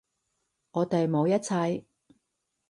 我哋冇一齊